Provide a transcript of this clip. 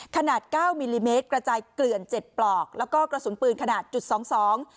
ขนาดเก้ามิลลิเมตรกระจายเกลื่อนเจ็ดปลอกแล้วก็กระสุนปืนขนาดจุดสองสอง